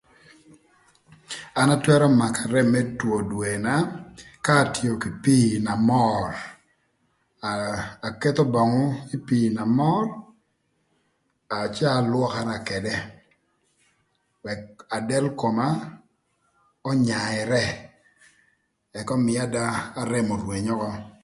An atwërö makö arem më two dwena ka atio kï pii na mör aa aketho böngü ï pii na mör a cë alwökara ködë ëk del koma önyarë ëk ömïï ada arem örwëny ökö.